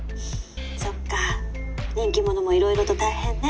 「そっか人気者もいろいろと大変ね」